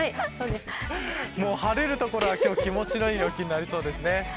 晴れる所は、気持ちのいい陽気になりそうですね。